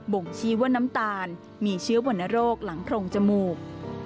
่งชี้ว่าน้ำตาลมีเชื้อวรรณโรคหลังโพรงจมูก